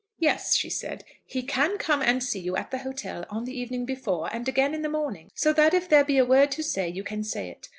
"Yes," she said, "he can come and see you at the hotel on the evening before, and again in the morning, so that if there be a word to say you can say it.